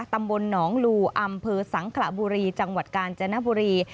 ตำบลหนองลูอำเภอสังขระบุรีจังหวัดกาญจนบุรี